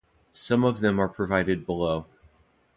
Some of them are provided below.